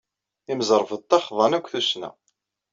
Imẓerbeḍḍa xḍan akk tussna.